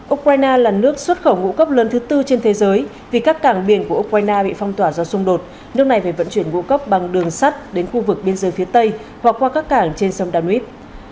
ukraine là nước xuất khẩu ngũ cốc lớn thứ tư trên thế giới vì các cảng biển của ukraine bị phong tỏa do xung đột nước này phải vận chuyển ngũ cốc bằng đường sắt đến khu vực biên giới phía tây hoặc qua các cảng trên sông danub